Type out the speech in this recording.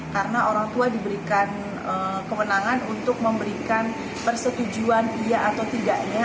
karena orang tua diberikan kemenangan untuk memberikan persetujuan ia atau tidaknya